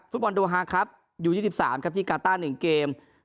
โดฮาครับอยู่๒๓ครับที่กาต้า๑เกม